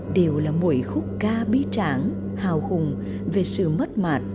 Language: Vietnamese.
đều là mỗi khúc ca bí tráng hào hùng về sự mất mạt